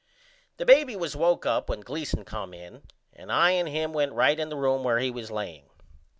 The baby was woke up when Gleason come in and I and him went right in the room where he was laying.